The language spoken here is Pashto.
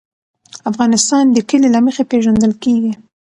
افغانستان د کلي له مخې پېژندل کېږي.